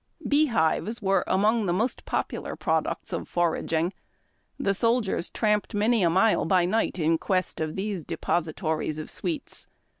Bee hives were among the most popular products of forag ing. The soldiers tramped many a mile by night in quest of these depositories of sweets.